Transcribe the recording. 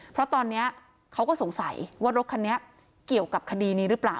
เพราะตอนนี้เขาก็สงสัยว่ารถคันนี้เกี่ยวกับคดีนี้หรือเปล่า